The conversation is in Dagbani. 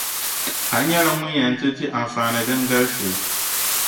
A nyɛla ŋun yɛn ti di anfaani din galisi.